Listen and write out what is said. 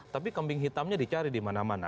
tapi kambing hitamnya dicari di mana mana